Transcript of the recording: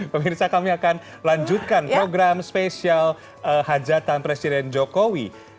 pemirsa kami akan lanjutkan program spesial hajatan presiden jokowi